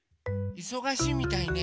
いそがしいみたいね。